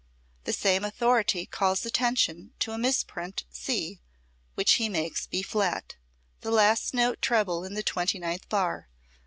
The same authority calls attention to a misprint C, which he makes B flat, the last note treble in the twenty ninth bar.